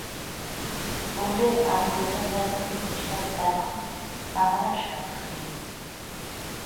বললে, আরো দু-চার জায়গা থেকে চেষ্টা দেখো, আমার আর সাধ্য নেই।